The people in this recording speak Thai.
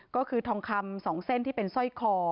ก็คือทองคำ๒เส้นที่เป็นสร้อยคอ